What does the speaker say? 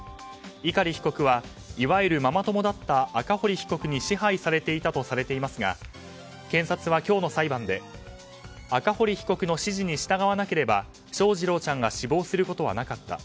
碇被告はいわゆるママ友だった赤堀被告に支配されていたとされていますが検察は、今日の裁判で赤堀被告の指示に従わなければ翔士郎ちゃんが死亡することはなかった。